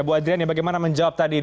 bu adriani bagaimana menjawab tadi